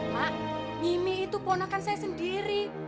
mak mimi itu ponakan saya sendiri